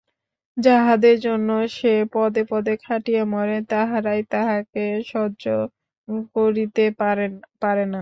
যাহাদের জন্য সে পদে পদে খাটিয়া মরে তাহারাই তাহাকে সহ্য করিতে পারে না।